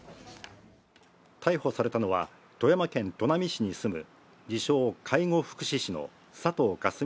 逮捕されたのは富山県砺波市に住む自称介護福祉士の佐藤果純